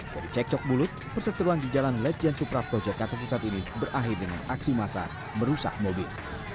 dari cekcok bulut perseteruan di jalan lejen suprapto jekat pusat ini berakhir dengan aksi masa merusak mobil